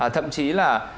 thậm chí là